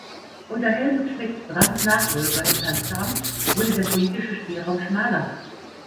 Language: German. Unter Helmut Schmidt, Brandts Nachfolger im Kanzleramt, wurde der politische Spielraum schmaler.